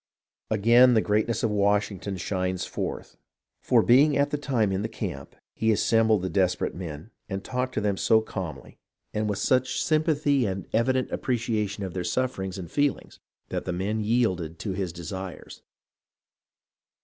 Again the greatness of Washington shines forth ; for, being at the time in the camp, he assembled the desperate men and talked to them so calmly and with so much sym PEACE 403 pathy and evident appreciation of their sufferings and feelings, that the men yielded to his desires.